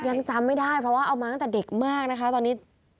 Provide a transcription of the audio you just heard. ยังจำไม่ได้เพราะว่าเอามาตั้งแต่เด็กมากนะคะตอนนี้